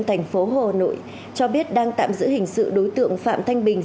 thêm thành phố hồ hà nội cho biết đang tạm giữ hình sự đối tượng phạm thanh bình